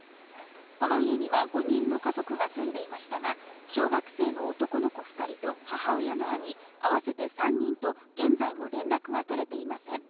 この家には５人の家族が住んでいましたが、小学生の男の子２人と母親の兄、合わせて３人と現在も連絡が取れていません。